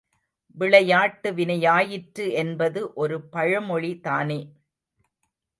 விளையாட்டு வினையாயிற்று என்பது ஒரு பழமொழி தானே!